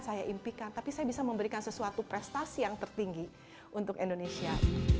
saya impikan tapi saya bisa memberikan sesuatu prestasi yang tertinggi untuk indonesia